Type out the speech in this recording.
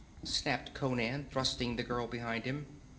snapped Conan, thrusting the girl behind him.